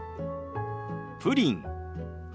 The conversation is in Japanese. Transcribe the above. プリン。